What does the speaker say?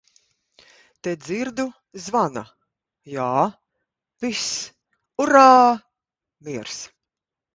Te dzirdu - zvana. Jā. Viss. Urrā. Miers.